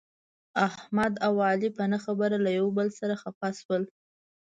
احمد او علي په نه خبره یو له بل سره خپه شول.